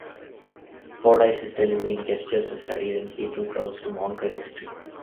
Fordyce's delivery and gestures were studied, and he drew crowds to Monkwell Street.